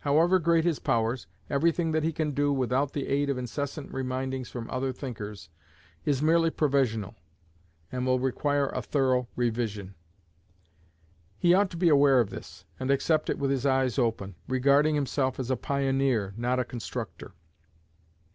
However great his powers, everything that he can do without the aid of incessant remindings from other thinkers, is merely provisional, and will require a thorough revision. He ought to be aware of this, and accept it with his eyes open, regarding himself as a pioneer, not a constructor.